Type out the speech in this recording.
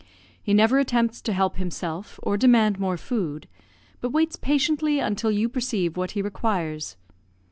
He never attempts to help himself, or demand more food, but waits patiently until you perceive what he requires.